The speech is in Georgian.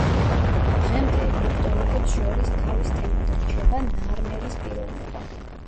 დღემდე ეგვიპტოლოგებს შორის დავის თემად რჩება ნარმერის პიროვნება.